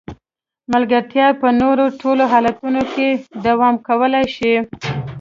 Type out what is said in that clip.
ملګرتیا په نورو ټولو حالتونو کې دوام کولای شي.